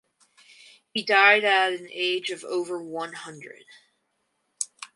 He died at an age of over one hundred.